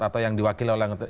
atau yang diwakili oleh